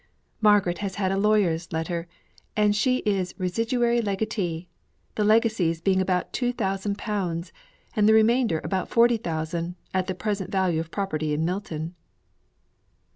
Margaret has had a lawyer's letter, and she is residuary legatee the legacies being about two thousand pounds, and the remainder about forty thousand, at the present value of property in Milton."